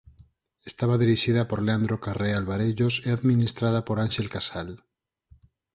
Estaba dirixida por Leandro Carré Alvarellos e administrada por Ánxel Casal.